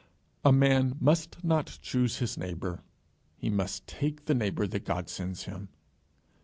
A man must not choose his neighbour; he must take the neighbour that God sends him.